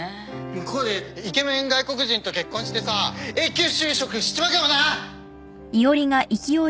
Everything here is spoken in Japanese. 「向こうでイケメン外国人と結婚してさ永久就職しちまうかもな！」